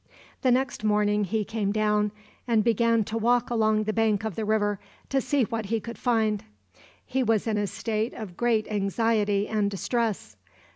The next morning he came down and began to walk along the bank of the river to see what he could find. He was in a state of great anxiety and distress.